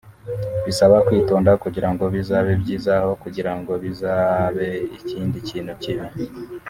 bisaba kwitonda kugira ngo bizabe byiza aho kugira ngo bizabe ikindi kintu kibi